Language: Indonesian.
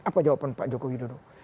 apa jawaban pak joko widodo